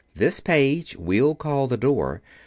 This page we'll call the door.